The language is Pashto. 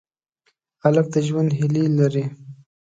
هلک د ژوند هیلې لري.